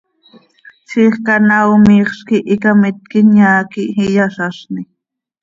Ziix canaao miixz quih icamitc inyaa quih iyazazni.